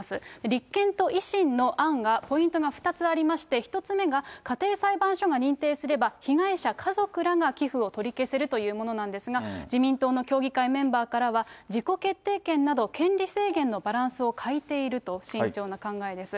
立憲と維新の案が、ポイントが２つありまして、１つ目が家庭裁判所が認定すれば、被害者家族らが寄付を取り消せるというものなんですが、自民党の協議会メンバーからは、自己決定権など、権利制限のバランスを欠いていると慎重な考えです。